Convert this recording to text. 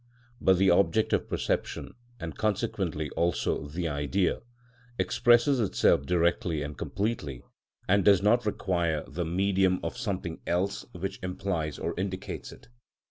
But the object of perception, and consequently also the Idea, expresses itself directly and completely, and does not require the medium of something else which implies or indicates it.